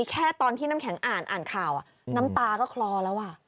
แค่ตอนที่น้ำแข็งอ่านอ่านข่าวน้ำตาก็คลอแล้ว